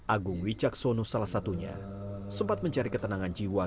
agung wijak sonus salah satunya sempat mencari ketenangan jiwa di rumah